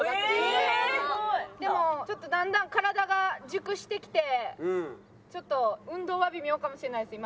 でもちょっとだんだん体が熟してきてちょっと運動は微妙かもしれないです